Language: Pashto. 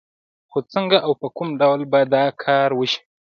خو څنګه او په کوم ډول به دا کار وشي؟